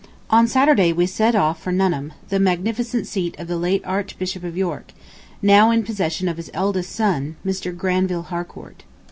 On Saturday we set off for Nuneham, the magnificent seat of the late Archbishop of York, now in possession of his eldest son, Mr. Granville Harcourt.